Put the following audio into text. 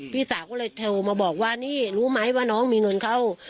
พี่สาวก็เลยโทรมาบอกว่านี่รู้ไหมว่าน้องมีเงินเข้า